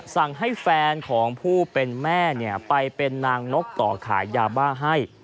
สั่งให้แฟนของผู้เป็นแม่ไปเป็นนางนกต่อขายยาบ้าให้